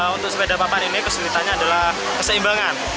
untuk sepeda papan ini kesulitannya adalah keseimbangan